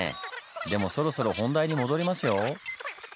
でもそろそろ本題に戻りますよ！